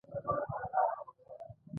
ځواني د کار وخت دی